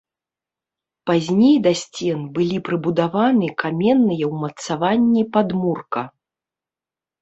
Пазней да сцен былі прыбудаваны каменныя ўмацаванні падмурка.